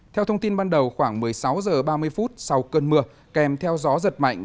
theo thông tin ban đầu khoảng một mươi sáu h ba mươi phút sau cơn mưa kèm theo gió giật mạnh